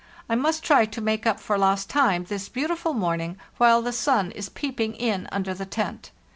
I must try to make up for lost time this beautiful morning, while the sun is peeping in under the tent.